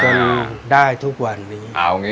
ได้ทุกวันนี้